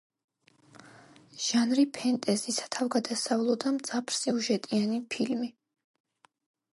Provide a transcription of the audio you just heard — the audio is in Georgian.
ჟანრი ფენტეზი, სათავგადასავლო და მძაფრ-სიუჟეტიანი ფილმი.